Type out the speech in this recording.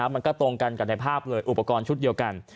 มันก็ตรงกันกับในภาพเลยอุปกรณ์ชุดเดียวกัน